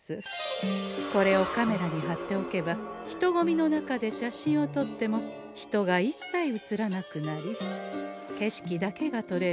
これをカメラにはっておけば人混みの中で写真をとっても人がいっさい写らなくなり景色だけがとれるすぐれものでござんす。